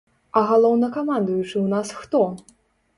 А галоўнакамандуючы ў нас хто?